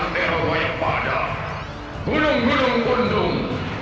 dan berwajib pada gunung gunung gunung